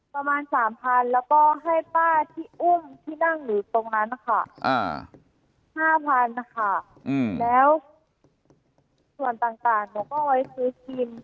ประมาณ๓๐๐๐แล้วก็ให้ป้าที่อุ้มที่นั่งอยู่ตรงนั้นนะคะ๕๐๐๐นะคะแล้วส่วนต่างหนูก็เอาไว้ซื้อกิน